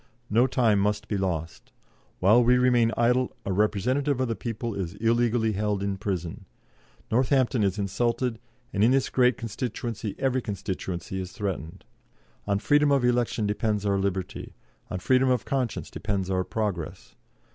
No time must be lost. While we remain idle, a representative of the people is illegally held in prison. Northampton is insulted, and in this great constituency every constituency is threatened. On freedom of election depends our liberty; on freedom of conscience depends our progress.